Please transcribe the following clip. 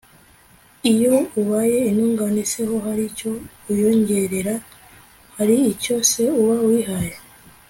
iyo ubaye intungane se ho, hari icyo uyongerera? hari icyo se uba uyihaye